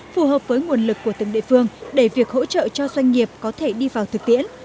phù hợp với nguồn lực của từng địa phương để việc hỗ trợ cho doanh nghiệp có thể đi vào thực tiễn